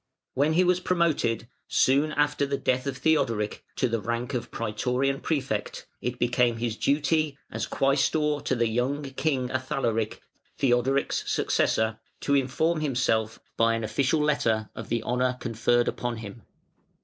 When he was promoted, soon after the death of Theodoric, to the rank of Prætorian Prefect, it became his duty, as Quæstor to the young King Athalaric (Theodoric's successor), to inform himself by an official letter of the honour conferred upon him.